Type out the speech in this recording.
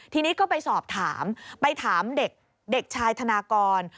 ทีนี้ก็ไปสอบถามไปถามเด็กชายธนากร